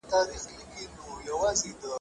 د عامو خلګو سياسي پوهاوی بايد لوړ سي.